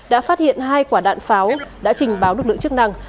đã phát hiện hai quả đạn pháo đã trình báo lực lượng chức năng